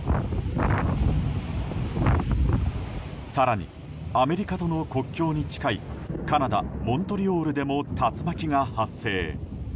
更にアメリカとの国境に近いカナダ・モントリオールでも竜巻が発生。